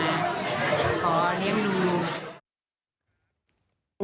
ขอเลี้ยงลูก